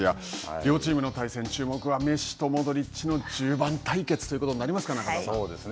両チームの対戦注目はメッシとモドリッチの１０番対決ということになりますか、そうですね。